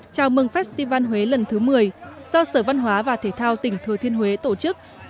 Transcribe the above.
chào mừng festival huế lần thứ một mươi do sở văn hóa và thể thao tỉnh thừa thiên huế tổ chức